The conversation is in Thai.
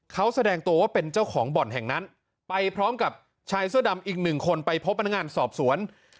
เขาแสดงตัวว่าเป็นเจ้าของบ่อนแห่งนั้นไปพร้อมกับชายเสื้อดำอีกหนึ่งคนไปพบพนักงานสอบสวน